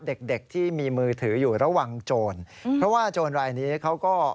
เด็กเด็กที่มีมือถืออยู่ระวังโจรเพราะว่าโจรรายนี้เขาก็